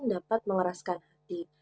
dapat mengeraskan hati